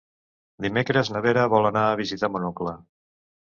Dimecres na Vera vol anar a visitar mon oncle.